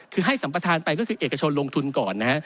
คือให้สัมประธานไปก็คือเอกชนลงทุนก่อนนะฮะ